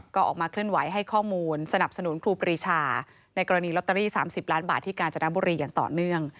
ก็ออกมาเคลื่อนไหวให้ข้อมูลสนับสนุนครูปรีชาในกรณีลอตเตอรี่๓๐ล้านบาทที่กาญจนบุรีอย่างต่อเนื่อง